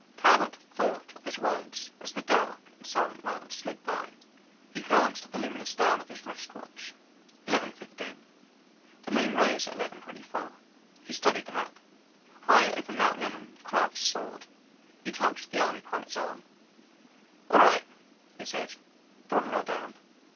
Talbot thought of his words as the dark and silent world slid by. He glanced at the luminous dial of his wrist watch. Eleven fifteen. The moon rose at eleven twenty four. He studied the map. High over Mount Lemmon the craft soared. He touched the army pilot's arm. "All right," he said, "throttle her down."